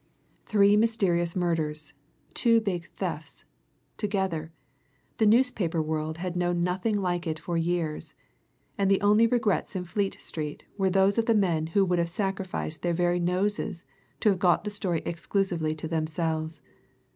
Three mysterious murders two big thefts together the newspaper world had known nothing like it for years, and the only regrets in Fleet Street were those of the men who would have sacrificed their very noses to have got the story exclusively to themselves.